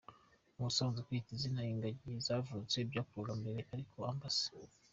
Ubusanzwe kwita izina ingagi zavutse byakorwaga mbere, ariko Amb.